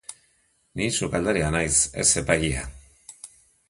Ni sukaldaria naiz, ez epailea.